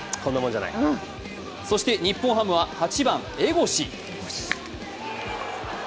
そして日本ハムは８番・江越。